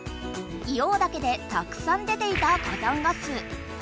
硫黄岳でたくさん出ていた火山ガス。